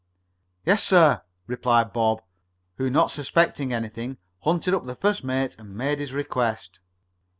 "Yes, sir," replied Bob, who, not suspecting anything, hunted up the first mate and made his request.